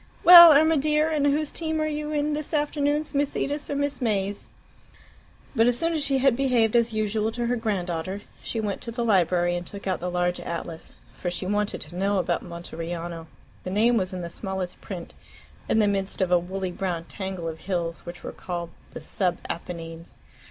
Well, Irma dear, and whose team are you in this afternoon Miss Edith's or Miss May's?" But as soon as she had behaved as usual to her grand daughter, she went to the library and took out the large atlas, for she wanted to know about Monteriano. The name was in the smallest print, in the midst of a woolly brown tangle of hills which were called the "Sub Apennines."